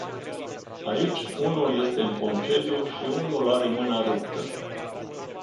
Aici, unul este în concediu și unul are mâna ruptă.